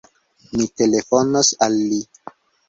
Mi telefonos al li.